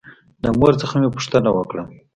له مور څخه مې پوښتنه وکړه.